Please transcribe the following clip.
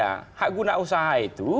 hak guna usaha itu beda hak guna usaha itu